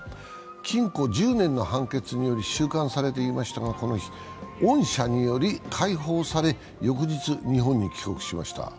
禁錮１０年の判決により収監されていましたがこの日、恩赦により解放され翌日、日本に帰国しました。